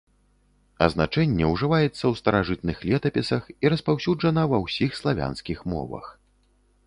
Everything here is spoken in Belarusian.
Азначэнне ўжываецца ў старажытных летапісах і распаўсюджана ва ўсіх славянскіх мовах.